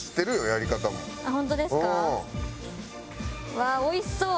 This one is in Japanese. うわーおいしそう！